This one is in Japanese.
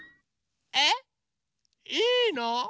えっいいの？